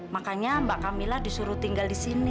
makanya mbak camilla disuruh tinggal di sini